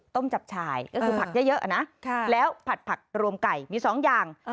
จับชายก็คือผักเยอะนะแล้วผัดผักรวมไก่มี๒อย่าง